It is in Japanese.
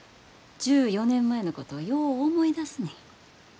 １４年前のことよう思い出すねん。